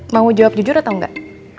mau jawab jujur atau enggak